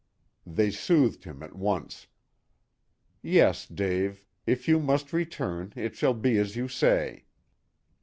They soothed him at once. "Yes, Dave. If you must return, it shall be as you say."